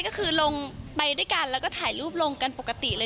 ก็คือลงไปด้วยกันแล้วก็ถ่ายรูปลงกันปกติเลย